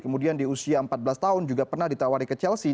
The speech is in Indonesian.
kemudian di usia empat belas tahun juga pernah ditawari ke chelsea